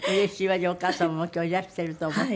じゃあお母様も今日いらしていると思って。